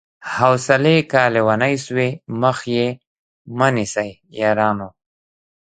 حوصلې که ليونۍ سوې مخ يې مه نيسئ يارانو